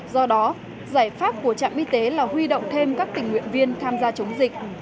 do đó giải pháp của trạm y tế là huy động thêm các tình nguyện viên tham gia chống dịch